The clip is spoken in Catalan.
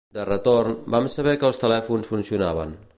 De retorn, vam saber que els telèfons funcionaven